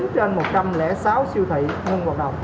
chín trên một trăm linh sáu siêu thị ngưng hoạt động